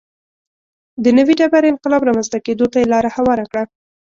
د نوې ډبرې انقلاب رامنځته کېدو ته یې لار هواره کړه.